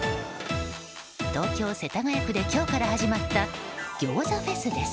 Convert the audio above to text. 東京・世田谷区で今日から始まった餃子フェスです。